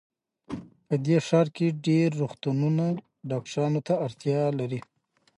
په دې ښار کې ډېر روغتونونه ډاکټرانو ته اړتیا لري